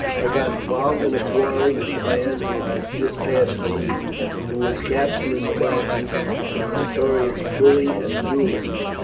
I got involved in a quarrel with the man who has just passed me, who was a captain in the Lancers, and a notorious bully and duellist.